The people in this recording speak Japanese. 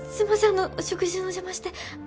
あの食事の邪魔して。